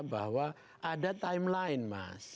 bahwa ada timeline mas